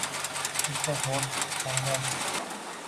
Bu juda zo‘r tendensiya.